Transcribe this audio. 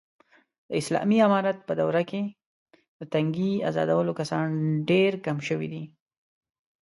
د اسالامي امارت په دوره کې، د تنگې ازادولو کسان ډېر کم شوي دي.